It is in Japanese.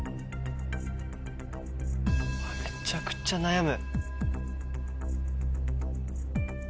めちゃくちゃ悩む！